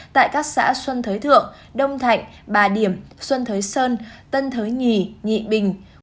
tại các xã xuân thới thượng đông thạnh bà điểm xuân thới sơn tân thới nhì nhị bình